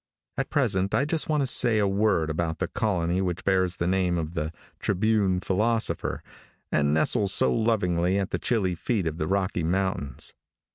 At present I just want to say a word about the colony which bears the name of the Tribune philosopher, and nestles so lovingly at the chilly feet of the Rocky mountains.